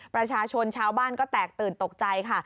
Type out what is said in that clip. ประชาชนชาวบ้านก็แตกตื่นตกใจค่ะ